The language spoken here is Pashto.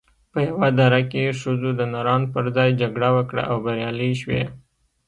په یوه دره کې ښځو د نرانو پر ځای جګړه وکړه او بریالۍ شوې